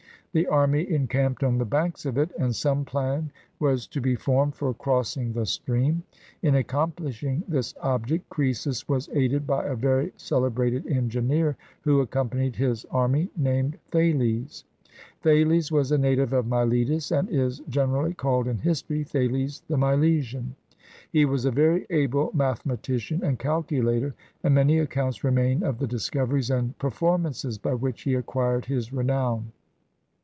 The army encamped on the banks of it, and some plan was to be formed for crossing the stream. In accomplishing this object, Croesus was aided by a very celebrated engineer who accompanied his army, named Thales. Thales was a native of Miletus, and is generally called in history, Thales the Milesian. He was a very able mathematician and calculator, and many accounts remain of the discoveries and perform ances by which he acquired his renown.